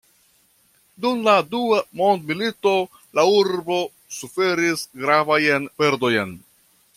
Dum la dua mondmilito la urbo suferis gravajn perdojn.